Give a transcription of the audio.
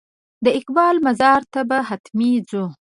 د اقبال مزار ته به حتمي ځو.